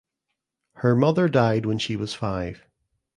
Her mother died when she was five.